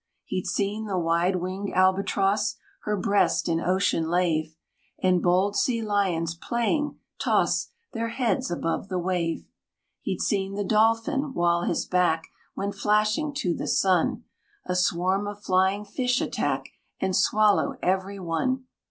He'd seen the wide winged albatros Her breast in ocean lave; And bold sea lions, playing, toss Their heads above the wave. He'd seen the dolphin, while his back Went flashing to the sun, A swarm of flying fish attack, And swallow every one!